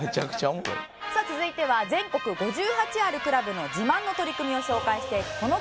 さあ続いては全国５８あるクラブの自慢の取り組みを紹介していくこのコーナー。